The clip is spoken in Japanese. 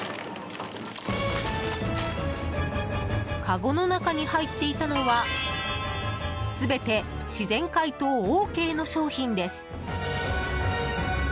かごの中に入っていたのは全て自然解凍ＯＫの商品です。